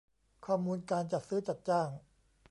ข้อมูลการจัดซื้อจัดจ้าง